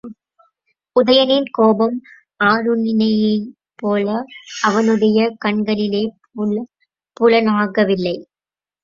உதயணனின் கோபம் ஆருணியைப்போல அவனுடைய கண்களிலே புலனாகவில்லை.